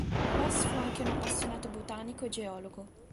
Loss fu anche un appassionato botanico e geologo.